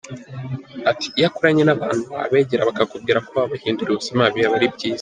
Ati “ Iyo ukoranye n’abantu wabegera bakakubwira ko wabahinduriye ubuzima biba ari byiza.